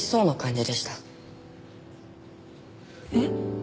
えっ？